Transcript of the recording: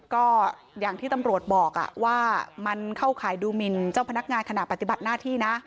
ก็อย่างที่ตำรวจบอกว่ามันเข้าข่ายดูหมินเจ้าพนักงานขณะปฏิบัติหน้าที่นะ